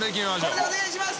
これでお願いします！